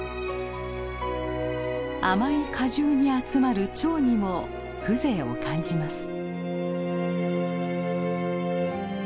甘い果汁に集まるチョウにも風情を感じます。